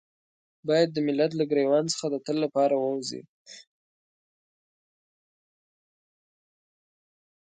بايد د ملت له ګرېوان څخه د تل لپاره ووځي.